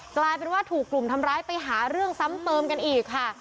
กลายเป็นว่าถูกกลุ่มทำร้ายไปหาเรื่องซ้ำเติมกันอีกค่ะ